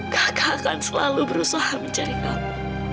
kakak akan selalu berusaha mencari kamu